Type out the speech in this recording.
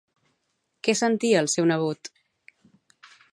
Què sentia el seu nebot?